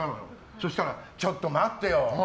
そしたら、ちょっと待ってよ！